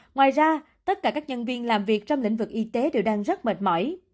ngoài ra tất cả các nhân viên làm việc trong lĩnh vực y tế đều đang rất mệt mỏi